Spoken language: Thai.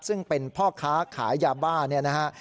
ซึ่งเป็นพ่อค้าขายยาบ้าเนี่ยนะฮะ